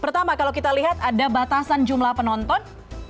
pertama kalau kita lihat ada batasan jumlah penonton